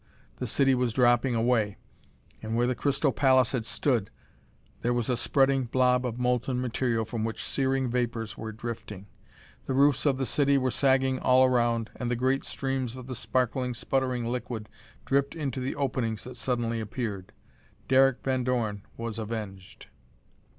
The city was dropping away, and, where the crystal palace had stood, there was a spreading blob of molten material from which searing vapors were drifting. The roofs of the city were sagging all around and great streams of the sparkling, sputtering liquid dripped into the openings that suddenly appeared. Derek Van Dorn was avenged.